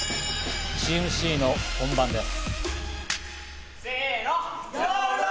チームＣの本番です。